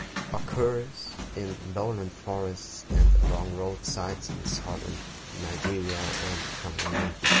Occurs in lowland forests and along road sides in Southern Nigeria and Cameroun.